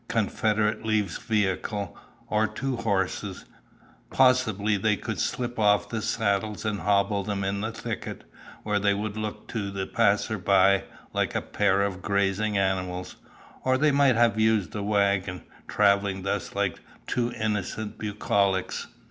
Confederate leaves vehicle or two horses, possibly they could slip off the saddles and hobble them in a thicket, where they would look, to the passer by, like a pair of grazing animals, or they might have used a wagon, travelling thus like two innocent bucolics.